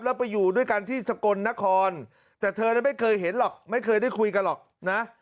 แล้วไปอยู่ด้วยกันที่สกลนครแต่เธอไม่เคยเห็นหรอกไม่เคยได้คุยกันหรอกนะ